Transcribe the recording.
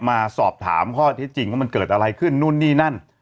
มาสอบถามข้อที่จริงว่ามันเกิดอะไรขึ้นนู่นนี่นั่น